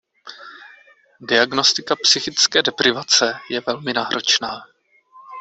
Diagnostika psychické deprivace je velmi náročná.